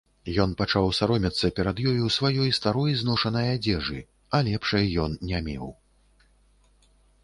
Ён пачаў саромецца перад ёю сваёй старой зношанай адзежы, а лепшай ён не меў.